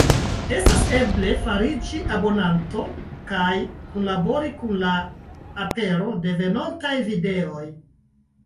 Estas eble fariĝi abonanto kaj kunlabori por la apero de venontaj videoj.